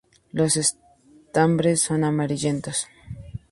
Los estambres son amarillentos.